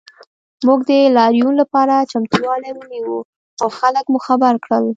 موږ د لاریون لپاره چمتووالی ونیو او خلک مو خبر کړل